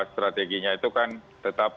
strateginya itu kan tetap